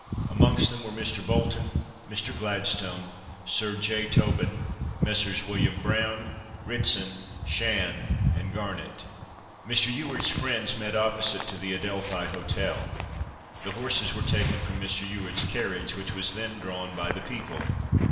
Amongst them were Mr. Bolton, Mr. Gladstone, Sir J. Tobin, Messrs. Wm. Brown, Ritson, Shand, and Garnett. Mr. Ewart's friends met opposite to the Adelphi Hotel. The horses were taken from Mr. Ewart's carriage, which was then drawn by the people.